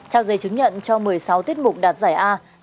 trao giấy chứng nhận cho một mươi sáu tiết mục đạt giải a